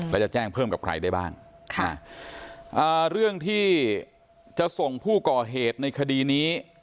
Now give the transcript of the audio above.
แล้วจะแจ้งเพิ่มกับใครได้บ้างเรื่องที่จะส่งผู้ก่อเหตุในคดีนี้